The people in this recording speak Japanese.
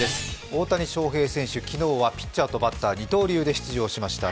大谷翔平選手、昨日はピッチャーとバッター二刀流で出場しました。